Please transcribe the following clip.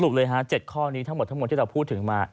เลยฮะ๗ข้อนี้ทั้งหมดทั้งหมดที่เราพูดถึงมา